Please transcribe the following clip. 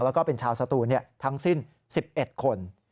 แล้วก็เป็นชาวสตูนทั้งสิ้น๑๑คน